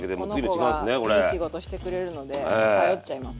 そうこの子がいい仕事してくれるので頼っちゃいます。